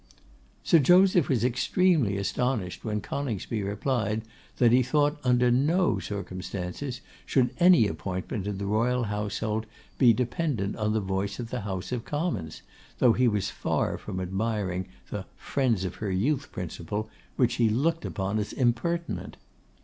Sir Joseph was extremely astonished when Coningsby replied that he thought, under no circumstances, should any appointment in the Royal Household be dependent on the voice of the House of Commons, though he was far from admiring the 'friends of her youth' principle, which he looked upon as impertinent.